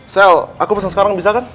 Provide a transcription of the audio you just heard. sel aku pesan sekarang bisa kan